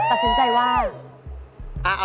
อ่ะตัดสินใจว่า